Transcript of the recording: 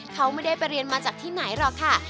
เขาไม่ได้ไปเรียนมาจากที่ไหนหรอกค่ะ